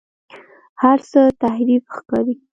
هر هڅه تحریف ښکاري.